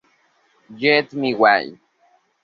Get My Way!